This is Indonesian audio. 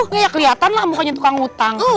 nggak ya kelihatan lah mukanya tukang utang